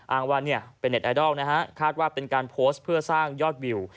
อ้างว่าเนี่ยเป็นเน็ตไอดอลนะฮะคาดว่าเป็นการโพสต์เพื่อสร้างยอดวิว